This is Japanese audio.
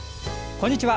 こんにちは。